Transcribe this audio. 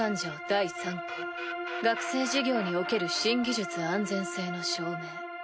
第３項学生事業における新技術安全性の証明」。